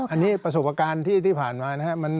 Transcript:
อันนี้ประสบการณ์ที่ผ่านมา